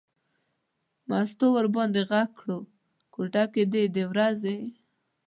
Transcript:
مستو ور باندې غږ کړل کوټه کې دی در وځي.